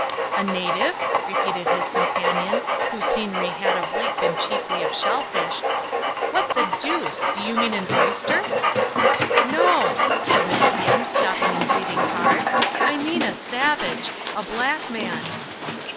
"A native?" repeated his companion, whose scenery had of late been chiefly of shellfish, "what the deuce! Do you mean an oyster?" "No," said MacIan, stopping and breathing hard, "I mean a savage. A black man."